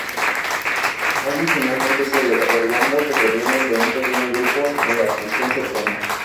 Maggie finalmente cede, revelando que provienen de un pequeño grupo en la prisión cercana.